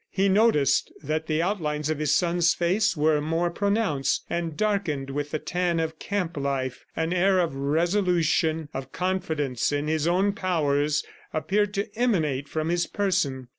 He noticed that the outlines of his son's face were more pronounced, and darkened with the tan of camp life. An air of resolution, of confidence in his own powers, appeared to emanate from his person.